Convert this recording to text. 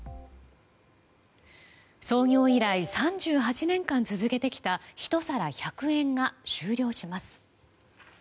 創業以来３８年間続けてきた１皿１００円が終了します。